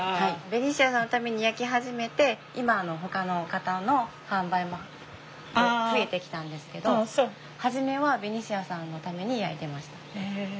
ベニシアさんのために焼き始めて今ほかの方の販売も増えてきたんですけど初めはベニシアさんのために焼いてました。